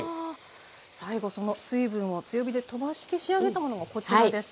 最後その水分を強火で飛ばして仕上げたものがこちらです。